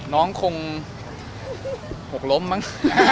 น้องคงหกล้มมั้ง